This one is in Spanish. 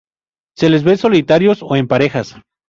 Se les ve solitarios, o en parejas.